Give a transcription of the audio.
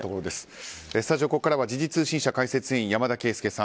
スタジオ、ここからは時事通信社解説委員の山田惠資さん。